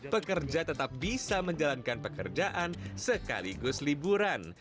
pekerja tetap bisa menjalankan pekerjaan sekaligus liburan